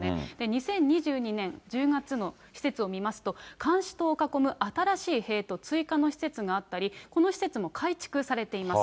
２０２２年１０月の施設を見ますと、監視塔を囲む新しい塀と追加の施設があったり、この施設も改築されています。